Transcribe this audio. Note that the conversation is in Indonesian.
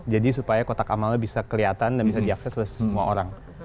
jadi supaya kotak amalnya bisa kelihatan dan bisa diakses oleh semua orang